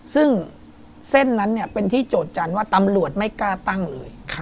ซึ่งเส้นนั้นเป็นที่โจทยจันทร์ว่าตำรวจไม่กล้าตั้งเลย